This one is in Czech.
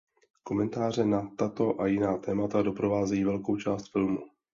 Komentáře na tato a jiná témata doprovázejí velkou část filmu.